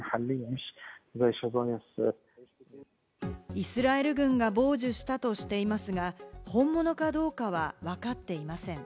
イスラエル軍が傍受したとしていますが、本物かどうかはわかっていません。